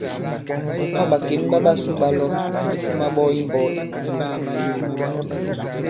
Ɔ̂ ɓàkěn ɓa ɓasu ɓa lɔ, ɓè fuma ɓɔ i mbɔ̄k i Màyo.